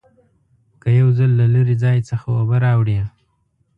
که یو ځل له لرې ځای څخه اوبه راوړې.